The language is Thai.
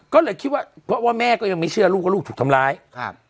ก็เลยคิดว่าเพราะว่าแม่ก็ยังไม่เชื่อลูกว่าลูกถูกทำร้ายครับ